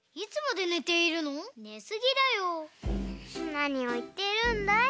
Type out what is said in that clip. なにをいっているんだい。